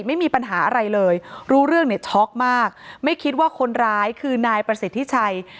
ไม่มีปัญหาอะไรเลยรู้เรื่องเนี่ยช็อกมากไม่คิดว่าคนร้ายคือนายประสิทธิชัย